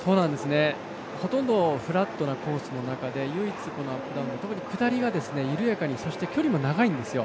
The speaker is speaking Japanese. ほとんどフラットなコースの中で唯一特に下りが、緩やか、そして距離も長いんですよ。